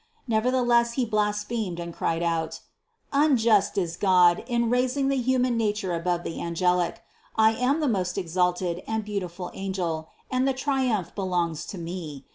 Neverthe less he blasphemed and cried out: "Unjust is God in raising the human nature above the angelic. I am the most exalted and beautiful angel and the triumph be longs to me.